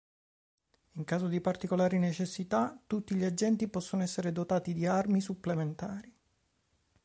In caso di particolari necessità, tutti gli agenti possono essere dotati di armi supplementari.